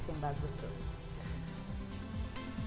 tips yang bagus itu